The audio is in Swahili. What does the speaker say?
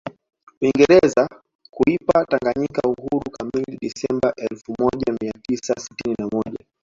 Uingereza kuipa Tanganyika uhuru kamili Disemba elfu moja Mia tisa sitini na moja